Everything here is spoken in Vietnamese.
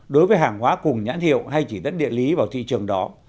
đối với hàng hóa cùng nhãn hiệu hay chỉ dẫn địa lý vào thị trường đó